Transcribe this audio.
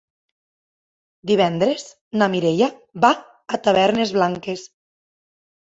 Divendres na Mireia va a Tavernes Blanques.